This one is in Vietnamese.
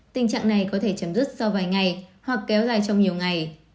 tình trạng này có thể chấm dứt sau vài ngày hoặc kéo dài trong nhiều ngày